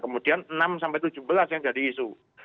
kemudian enam sampai tujuh belas yang jadi isu